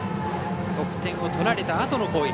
得点を取られたあとの攻撃。